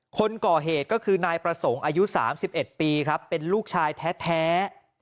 คนก่อเหตุก็คือนายประสงค์อายุ๓๑ปีครับเป็นลูกชายแท้